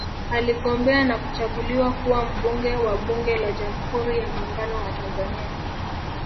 Aligombea na kuchaguliwa kuwa Mbunge wa Bunge la Jamhuri ya Muungano wa Tanzania